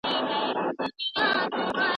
دا راپور په سمه توګه ترتیب سوی دی.